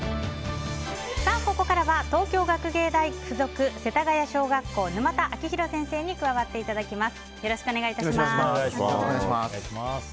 ここからは東京学芸大学附属世田谷小学校沼田晶弘先生に加わっていただきます。